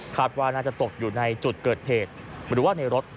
ว่าน่าจะตกอยู่ในจุดเกิดเหตุหรือว่าในรถ